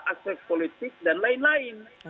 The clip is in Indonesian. aspek politik dan lain lain